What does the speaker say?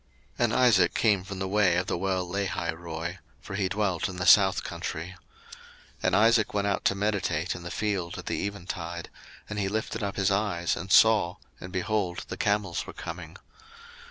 01:024:062 And Isaac came from the way of the well Lahairoi; for he dwelt in the south country. 01:024:063 And Isaac went out to meditate in the field at the eventide: and he lifted up his eyes, and saw, and, behold, the camels were coming.